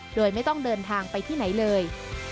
โดยไม่ต้องเดินทางไปที่ไหนเลย